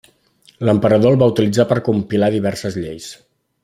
L'emperador el va utilitzar per compilar diverses lleis.